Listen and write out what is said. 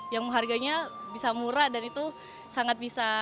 yang harganya bisa murah dan itu sangat bisa